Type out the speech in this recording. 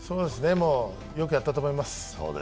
よくやったと思います。